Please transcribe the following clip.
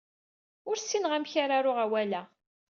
Ur ssineɣ amek ara aruɣ awal-a.